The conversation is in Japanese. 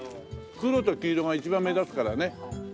黒と黄色が一番目立つからね。